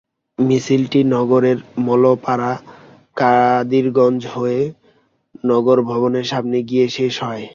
মিছিলটি নগরের মালোপাড়া কাদিরগঞ্জ হয়ে নগর ভবনের সামনে গিয়ে শেষ হয়।